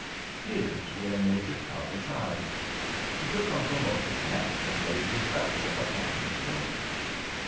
Tears were in Major Talbot's eyes. He took Uncle Mose's hand and laid his other upon his shoulder.